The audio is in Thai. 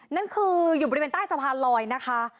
นั่นคืออยู่บริเวณใต้สะพานลอยนะคะ